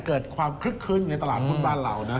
เกิดความคลึกคลึ้นในตลาดหุ้นบ้านเรานะ